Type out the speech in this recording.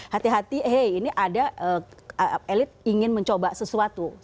hati hati hei ini ada elit ingin mencoba sesuatu